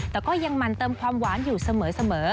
แต่ก็ยังมันเติมความหวานอยู่เสมอ